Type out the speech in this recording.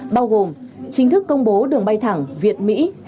bao gồm chính thức công bố đường bay thẳng việt mỹ